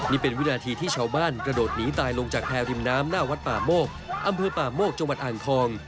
นี่เป็นวินาทีที่ชาวบ้านกระโดดหนีตายลงจากแพรริมน้ำหน้าวัดป่าโมกอำเภอป่าโมกจังหวัดอ่างทอง